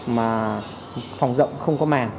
mà phòng rộng không có màng